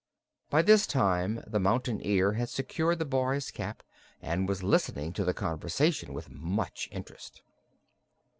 By this time the Mountain Ear had secured the boy's cap and was listening to the conversation with much interest.